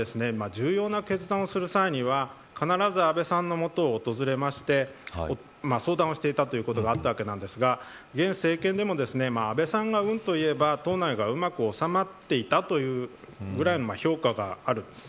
重要な決断をする際には必ず安倍さんのもとを訪れまして相談をしていたということがあったわけですが現政権でも、安倍さんがうんと言えば、党内がうまく収まっていたというぐらい評価があるんです。